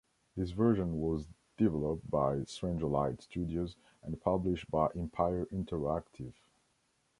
This version was developed by Strangelite Studios and published by Empire Interactive.